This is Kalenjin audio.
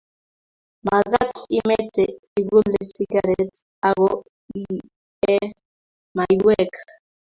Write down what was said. magaat imetee igule sigaret ago iee maywek